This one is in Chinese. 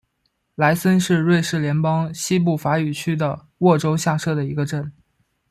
莱森是瑞士联邦西部法语区的沃州下设的一个镇。